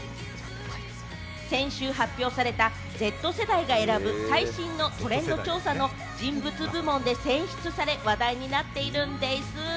先週発表されたＺ世代が選ぶ最新のトレンド調査の人物部門で選出され、話題になっているんでぃす。